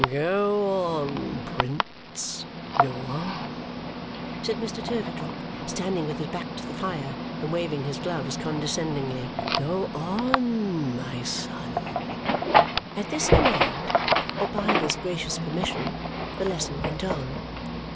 "Go on, Prince! Go on!" said Mr. Turveydrop, standing with his back to the fire and waving his gloves condescendingly. "Go on, my son!" At this command, or by this gracious permission, the lesson went on.